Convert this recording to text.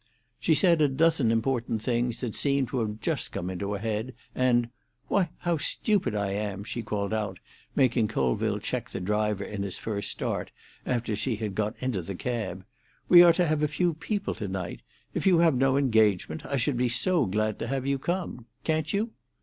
She said a dozen important things that seemed to have just come into her head, and, "Why, how stupid I am!" she called out, making Colville check the driver in his first start, after she had got into the cab. "We are to have a few people tonight. If you have no engagement, I should be so glad to have you come. Can't you?"